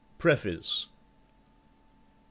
M. PREFACE C.